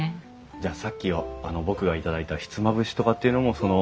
じゃあさっき僕が頂いたひつまぶしとかっていうのもその。